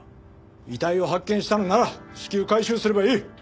遺体を発見したのなら至急回収すればいい。